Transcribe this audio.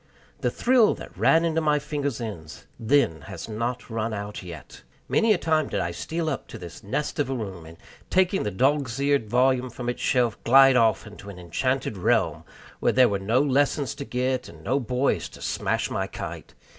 The thrill that ran into my fingers' ends then has not run out yet. Many a time did I steal up to this nest of a room, and, taking the dog's eared volume from its shelf, glide off into an enchanted realm, where there were no lessons to get and no boys to smash my kite.